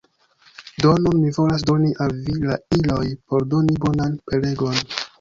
Do nun mi volas doni al vi la iloj por doni bonan prelegon.